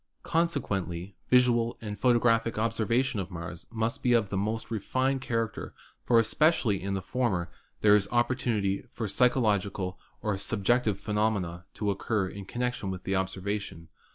Consequently visual and photographic observation of Mars must be of the most refined character, for especially in the former there is opportunity for psychological or subjective phenomena to occur in connection with the observation.